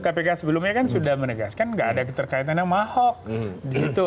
kpk sebelumnya kan sudah menegaskan nggak ada keterkaitannya mahok di situ